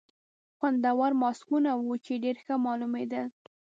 خوندور ماسکونه وو، چې ډېر ښه معلومېدل.